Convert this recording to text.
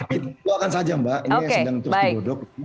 ya itu itu saja mbak ini yang sedang terus dibodok